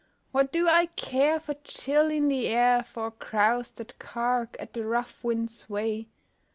What do I care for chill in the air For crows that cark At the rough wind's way.